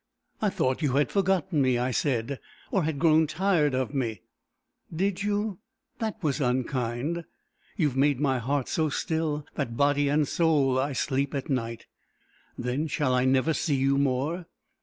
"I thought you had forgotten me," I said, "or had grown tired of me." "Did you? That was unkind. You have made my heart so still, that, body and soul, I sleep at night." "Then shall I never see you more?"